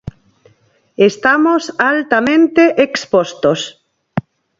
Estamos altamente expostos.